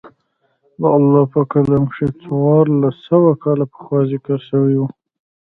د الله په کلام کښې څوارلس سوه کاله پخوا ذکر سوي وو.